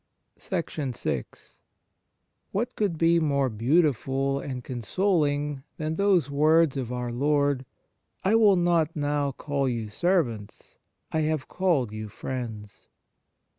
vi T T 7 HAT could be more beautiful and Y V consoling, than those words of Our Lord: " I will not now call you ser vants ... I have called you friends."